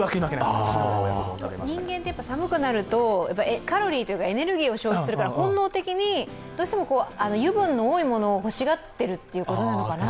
人間って寒くなるとエネルギーを消費するから本能的にどうしても油分の多いものを欲しがってるってことなのかな。